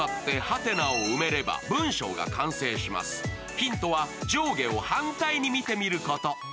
ヒントは上下を反対に見てみること。